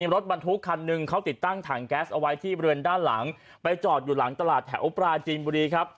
รถบรรทุกคันหนึ่งเขาติดตั้งถังแก๊สเอาไว้ที่บริเวณด้านหลังไปจอดอยู่หลังตลาดแถวปลาจีนบุรีครับ